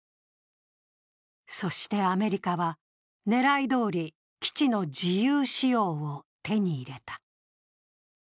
そして、アメリカは狙いどおり基地の自由使用を手に入れた。